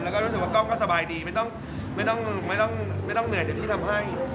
แล้วก็รู้สึกว่ากล้องก็สบายดีไม่ต้องเหนื่อยอย่างที่ทำให้